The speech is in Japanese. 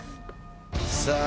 さあ